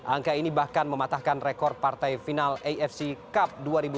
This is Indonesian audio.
angka ini bahkan mematahkan rekor partai final afc cup dua ribu sembilan belas